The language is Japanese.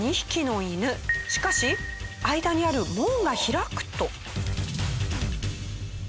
しかし間にある門が開くと。